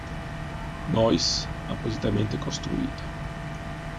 Neuss, appositamente costruita.